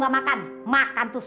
udah pulang ya ampun